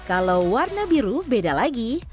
kalau warna biru beda lagi